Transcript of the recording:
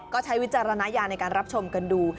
ก็ใช้วิจารณญาณในการรับชมกันดู